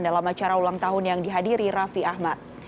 dalam acara ulang tahun yang dihadiri raffi ahmad